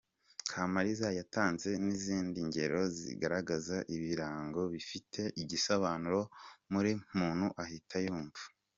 Kamaliza yatanze n’izindi ngero zigaragaza ibirango bifite igisobanuro buri muntu ahita yumva.